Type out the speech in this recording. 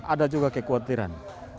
ada juga kekhawatiran